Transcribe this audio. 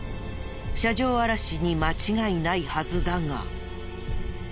車上荒らしに間違いないはずだが。